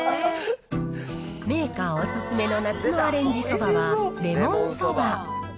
メーカーお勧めの夏のアレンジそばは、レモンそば。